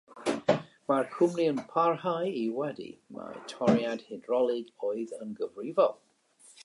Mae'r cwmni'n parhau i wadu mai toriad hydrolig oedd yn gyfrifol.